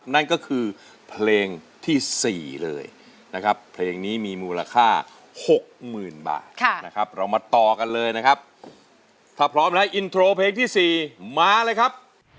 นั่นก็คือเพลงที่๔เลยนะครับเพลงนี้มีมูลค่า๖๐๐๐บาทนะครับเรามาต่อกันเลยนะครับถ้าพร้อมแล้วอินโทรเพลงที่๔มาเลยครับ